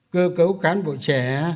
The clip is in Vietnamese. cơ cấu cán bộ trẻ